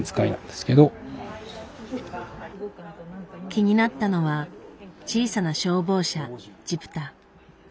気になったのは「小さな消防車じぷた」。